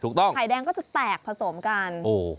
ไข่แดงก็จะแตกผสมกัน